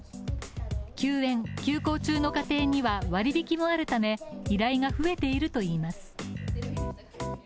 休園・休校中の家庭には割引きもあるといい依頼が増えているといいます。